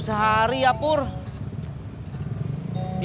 set kemurkan sandi